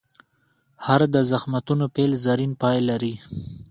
هر د زخمتونو پیل، زرین پای لري.